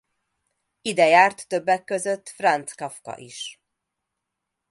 Ide járt többek között Franz Kafka is.